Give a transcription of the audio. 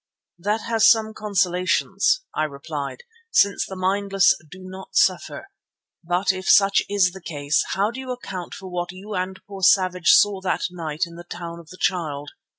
"That has some consolations," I replied, "since the mindless do not suffer. But if such is the case, how do you account for what you and poor Savage saw that night in the Town of the Child?